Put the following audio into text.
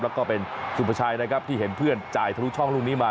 แล้วก็เป็นสุภาชัยนะครับที่เห็นเพื่อนจ่ายทะลุช่องลูกนี้มา